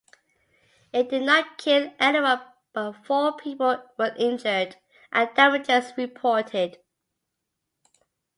It did not kill anyone but four people were injured and damages reported.